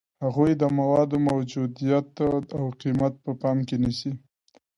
هغوی د موادو موجودیت او قیمت په پام کې نیسي.